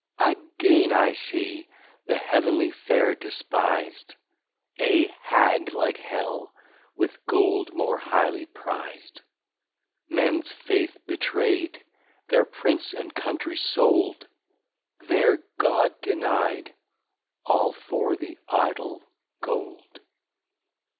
Again, I see, the Heavenly Fair despis'd, A Hagg like Hell, with Gold, more highly priz'd; Mens Faith betray'd, their Prince and Country Sold, Their God deny'd, all for the Idol Gold.